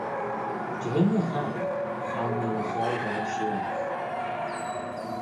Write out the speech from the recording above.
Jeheiney chaie, chaill mee my 'hellvane shooylagh.